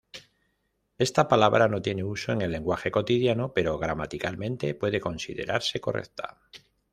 Esta palabra no tiene uso en el lenguaje cotidiano, pero gramaticalmente puede considerarse correcta.